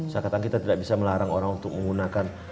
saya katakan kita tidak bisa melarang orang untuk menggunakan